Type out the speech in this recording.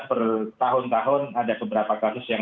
per tahun tahun ada beberapa kasus yang